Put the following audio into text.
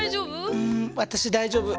うん私大丈夫。